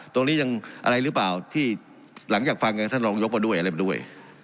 ตรงนี้ยังอะไรหรือเปล่าที่หลังจากฟังท่านรองยกมาด้วยอะไรมาด้วย